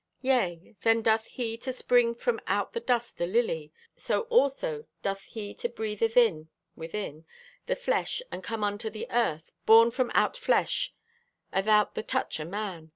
Yea, then doth He to spring from out the dust a lily; so also doth He to breathe athin (within) the flesh, and come unto the earth, born from out flesh athout the touch o' man.